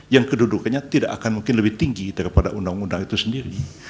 yang kedudukannya tidak akan mungkin lebih tinggi daripada undang undang itu sendiri